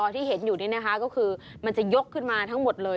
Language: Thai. ที่เห็นอยู่นี่นะคะก็คือมันจะยกขึ้นมาทั้งหมดเลย